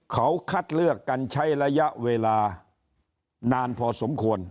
เขาคัดเลือกกันใช้ระยะเวลานานพอสมควร